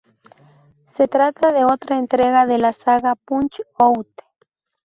Se trata de otra entrega de la saga Punch Out!!